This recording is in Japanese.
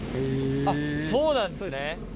あっそうなんですね。